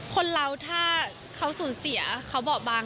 คนเราถ้าเขาสูญเสียเขาเบาะบาง